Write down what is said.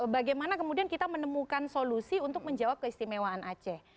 bagaimana kemudian kita menemukan solusi untuk menjawab keistimewaan aceh